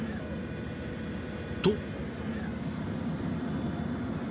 ［と］